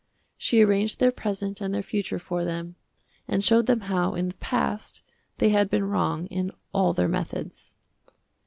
She arranged their present and their future for them, and showed them how in the past they had been wrong in all their methods.